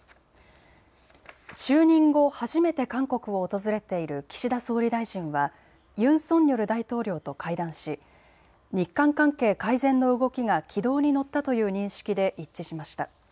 就任後、初めて韓国を訪れている岸田総理大臣はユン・ソンニョル大統領と会談し日韓関係改善の動きが軌道に乗ったという認識で一致しました。